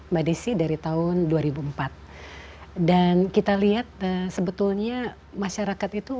mbak desi dari tahun dua ribu empat dan kita lihat sebetulnya masyarakat itu